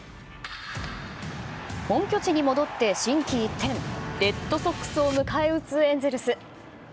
本拠地に戻って心機一転、レッドソックスを迎え撃つエンゼルス。